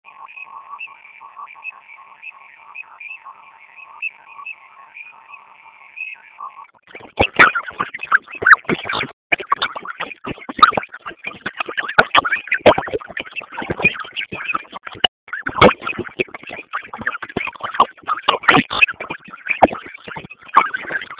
Izan ere, eguraldiak ildo beretik jarraituko du, freskotik eta goibeletik.